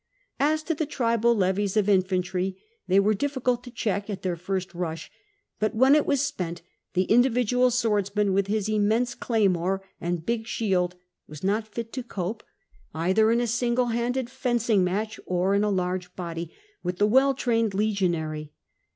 As to the tribal levies of infantry, they were difficult to check at their first rush, but when it was spent the individual swordsman with his immense claymore and big shield was not fit to cope, either in a single handed fencing match or in a large body, with the well trained legionary.